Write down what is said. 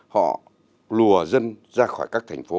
họ lùa dân ra khỏi các thành phố